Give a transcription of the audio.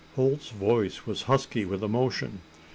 Holt's voice was husky with emotion.